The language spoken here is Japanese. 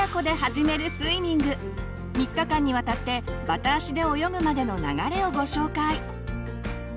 ３日間にわたってバタ足で泳ぐまでの流れをご紹介。